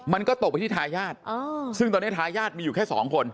มันก็ตกไปที่ทายาทซึ่งตอนนี้ทายาทมีอยู่แค่สองคน